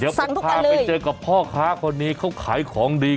เดี๋ยวผมพาไปเจอกับพ่อค้าคนนี้เขาขายของดี